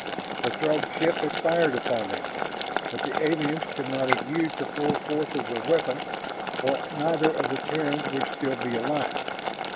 The Throg ship had fired upon them. But the aliens could not have used the full force of their weapon or neither of the Terrans would still be alive.